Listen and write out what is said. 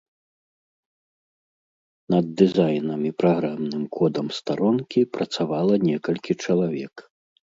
Над дызайнам і праграмным кодам старонкі працавала некалькі чалавек.